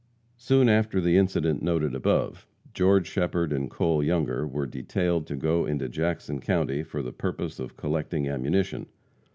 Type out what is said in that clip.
Soon after the incident noted above, George Shepherd and Cole Younger were detailed to go into Jackson county for the purpose of collecting ammunition.